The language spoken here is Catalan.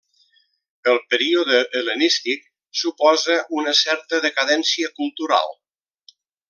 El període hel·lenístic suposa una certa decadència cultural.